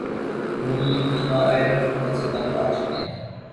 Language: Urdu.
نون لیگ کی نااہل حکومت سے تنگ آچکے ہیں